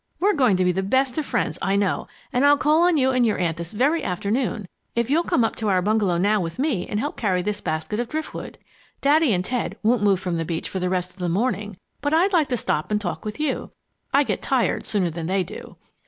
We're going to be the best of friends, I know, and I'll call on you and your aunt this very afternoon, if you'll come up to our bungalow now with me and help carry this basket of driftwood. Daddy and Ted won't move from the beach for the rest of the morning, but I'd like to stop and talk with you. I get tired sooner than they do."